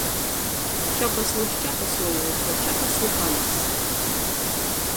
Čapaslus čapaslojūt par čapaslu paliksi.